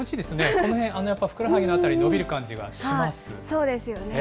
このへん、やっぱり、ふくらはぎのあたり、伸びる感じがします。